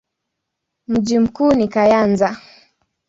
Mji mkuu ni Kayanza.